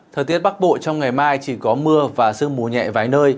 thời tiết bắc bộ trong ngày mai chỉ có mưa và sương mù nhẹ vái nơi